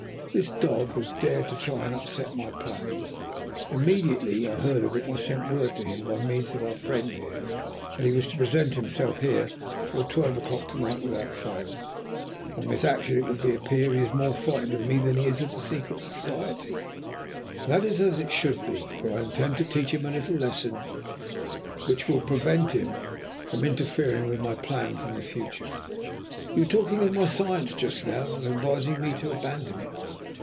This dog has dared to try to upset my plans. Immediately I heard of it I sent word to him, by means of our friend here, that he was to present himself here before twelve o'clock to night without fail. From his action it would appear that he is more frightened of me than he is of the Secret Society. That is as it should be; for I intend to teach him a little lesson which will prevent him from interfering with my plans in the future. You were talking of my science just now, and advising me to abandon it.